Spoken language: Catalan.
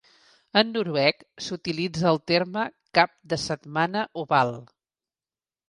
En noruec, s'utilitza el terme "cap de setmana oval".